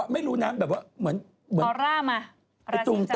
ไม่รู้นะเหมือนมันติว่ามันทุ่มตา